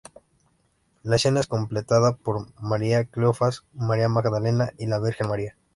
La escena es contemplada por María de Cleofás, María Magdalena y la Virgen María.